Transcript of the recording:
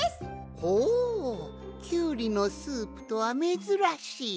ほうキュウリのスープとはめずらしい。